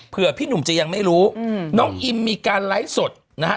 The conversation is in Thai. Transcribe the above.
เพื่อพี่หนุ่มจะยังไม่รู้น้องอิมมีการไลฟ์สดนะฮะ